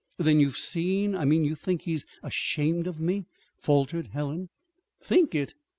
"Then you've seen I mean, you think he's ashamed of me?" faltered Helen. "Think it!